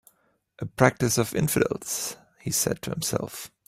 "A practice of infidels," he said to himself.